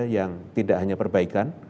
yang tidak hanya perbaikan